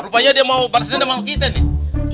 rupanya dia mau balas dendam sama kita nih